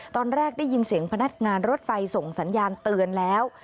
ตอนแรกได้ยินเสียงพนักงานรถไฟส่งสัญญาณเตือนแล้ว